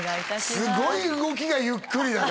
すごい動きがゆっくりだね